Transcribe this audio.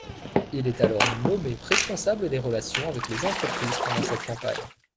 Il est alors nommé responsable des relations avec les entreprises pendant cette campagne.